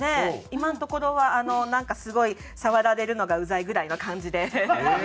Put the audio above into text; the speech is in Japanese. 今のところはなんかすごい触られるのがうざいぐらいの感じで。